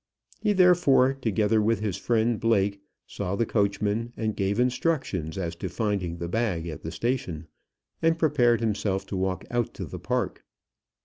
He therefore, together with his friend Blake, saw the coachman, and gave instructions as to finding the bag at the station, and prepared himself to walk out to the Park.